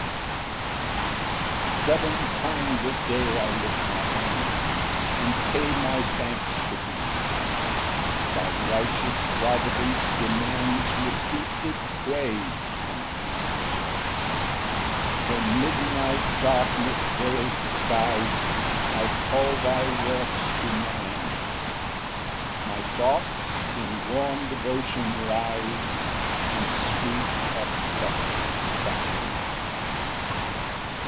Ver. 164. 3 Seven times a day I lift my hands, And pay my thanks to thee; Thy righteous providence demands Repeated praise from me. Ver. 62. 4 When midnight darkness veils the skies, I call thy works to mind; My thoughts in warm devotion rise, And sweet acceptance find.